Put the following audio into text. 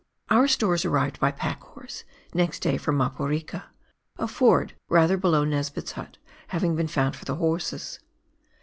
Our stores arrived by pack horse next day from Maporika, a ford rather below Nesbitt's hut having been found for the horses.